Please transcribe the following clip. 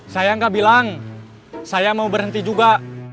saya nggak bilang saya mau berhenti juga